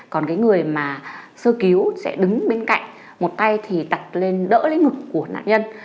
còn cái người mà sơ cứu sẽ đứng bên cạnh một tay thì đặt lên đỡ lĩnh vực của nạn nhân